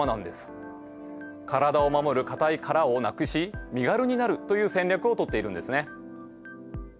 体を守る硬い殻をなくし身軽になるという戦略をとっているんですね。